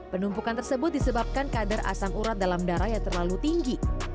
penumpukan tersebut disebabkan kadar asam urat dalam darah yang terlalu tinggi